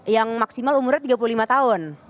yang maksimal umurnya tiga puluh lima tahun